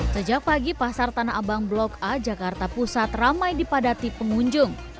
sejak pagi pasar tanah abang blok a jakarta pusat ramai dipadati pengunjung